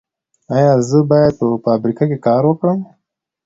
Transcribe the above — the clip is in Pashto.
ایا زه باید په فابریکه کې کار وکړم؟